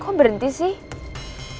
kok berhenti sih